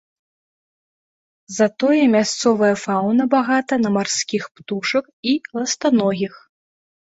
Затое мясцовая фаўна багата на марскіх птушак і ластаногіх.